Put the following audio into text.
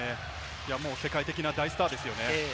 世界的な大スターですよね。